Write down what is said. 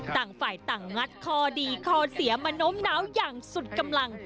ต่างฝ่ายต่างงัดคอดีคอเสียมาโน้มน้าวอย่างสุดกำลัง